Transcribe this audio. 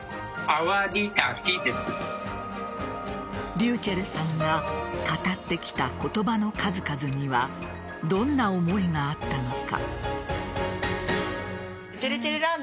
ｒｙｕｃｈｅｌｌさんが語ってきた言葉の数々にはどんな思いがあったのか。